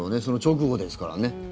その直後ですからね。